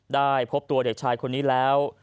ได้พบตัวเด็กชายคนนี้แล้ว